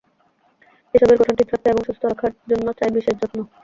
এসবের গঠন ঠিক রাখতে এবং সুস্থ রাখার জন্য চাই বিশেষ যত্ন।